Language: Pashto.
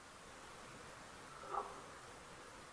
په دې علماوو کې سرسید احمد خان او مولوي چراغ علي وو.